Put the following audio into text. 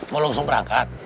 mau langsung berangkat